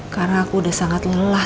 karena aku udah sangat lelah